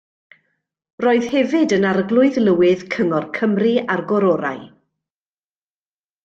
Roedd hefyd yn Arglwydd Lywydd Cyngor Cymru a'r Gororau.